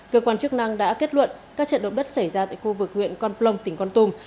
cơ quan chức năng đã kết luận các trận động đất xảy ra tại khu vực huyện con plong tỉnh con tum